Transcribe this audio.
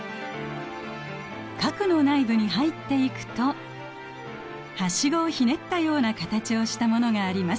核の内部に入っていくとはしごをひねったような形をしたものがあります。